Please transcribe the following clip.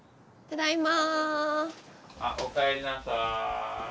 ただいま。